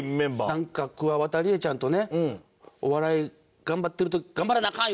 なんかくわばたりえちゃんとねお笑い頑張ってる時頑張らなアカン！